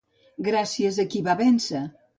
Gràcies a qui va vèncer?